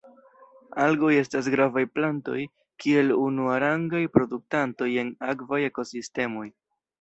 Algoj estas gravaj plantoj kiel unuarangaj produktantoj en akvaj ekosistemoj.